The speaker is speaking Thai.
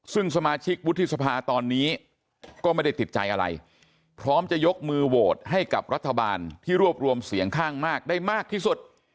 ซึ่งสมาชิกวุฒิสภาตอนนี้ก็ไม่ได้ติดใจอะไรพร้อมจะยกมือโหวตให้กับรัฐบาลที่รวบรวมเสียงข้างมากได้มากที่สุด